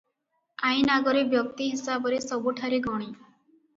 ଆଇନ ଆଗରେ ବ୍ୟକ୍ତି ହିସାବରେ ସବୁଠାରେ ଗଣୀ ।